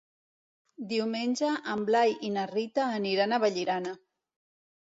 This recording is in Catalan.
Diumenge en Blai i na Rita aniran a Vallirana.